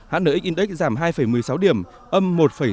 hnx index giảm hai một mươi sáu điểm âm một sáu mươi